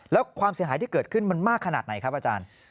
แล้วความเสียหายที่เกิดขึ้นมันมากขนาดไหนครับอาจารย์